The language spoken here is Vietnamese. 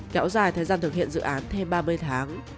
kéo dài thời gian thực hiện dự án thêm ba mươi tháng